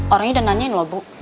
orangnya udah nanyain loh bu